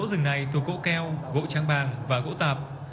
cây rừng này thuộc gỗ keo gỗ tráng bàn và gỗ tạp